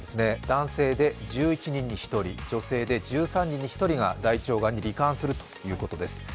男性で１１人に１人、女性で１３人に１人が大腸がんにり患するということです。